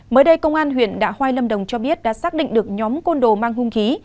mới đây công an huyện đạ hoai lâm đồng cho biết đã xác định được nhóm côn đồ mang hung khí